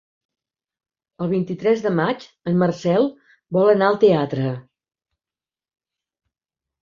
El vint-i-tres de maig en Marcel vol anar al teatre.